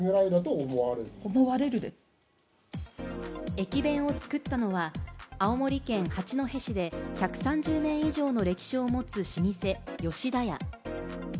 駅弁を作ったのは青森県八戸市で１３０年以上の歴史を持つ老舗・吉田屋。